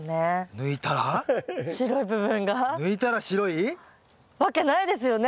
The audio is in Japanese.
抜いたら白い？わけないですよね？